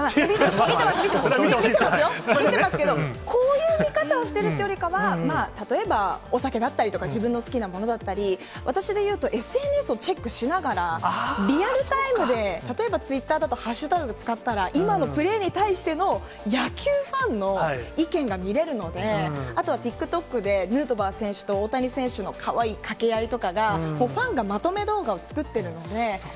見てます、見てます、見てますけど、こういう見方をしてるっていうよりかは、例えばお酒だったりとか、自分の好きなものだったり、私でいうとＳＮＳをチェックしながら、リアルタイムで、例えばツイッターだと、ハッシュタグ使ったら、今のプレーに対しての、野球ファンの意見が見れるので、あとはＴｉｋＴｏｋで、ヌートバー選手と大谷選手のかわいい掛け合いとかが、もうファンがまとめ動画を作ってるんで。